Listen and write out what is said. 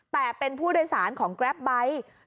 แต่เป็นผู้โดยสารของแกรปไบท์